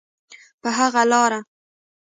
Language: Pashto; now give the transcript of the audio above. په هغه لاره.